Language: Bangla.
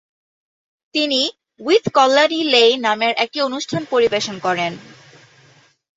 তিনি "উইথ কল্যাণী লেই" নামের একটি অনুষ্ঠান পরিবেশন করেন।